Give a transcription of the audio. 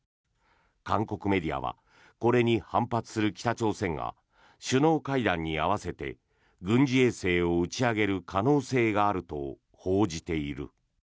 韓国メディアはこれに反発する北朝鮮が首脳会談に合わせて軍事衛星を打ち上げる可能性があると報じている。